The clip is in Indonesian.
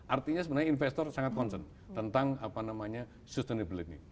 artinya sebenarnya investor sangat concern tentang apa namanya sustainability